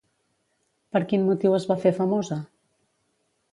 Per quin motiu es va fer famosa?